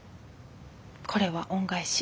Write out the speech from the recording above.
これは恩返し。